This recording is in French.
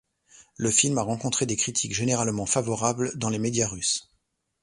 Le film a rencontré des critiques généralement favorables dans les médias russes.